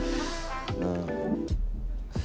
うん。